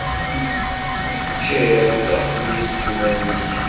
Teččiḍ taxbizt iman-ik.